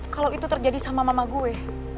kalau itu terjadi sama mama gue